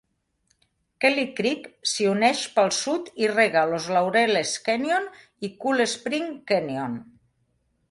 Kelly Creek s'hi uneix pel sud i rega Los Laureles Canyon i Cold Spring Canyon.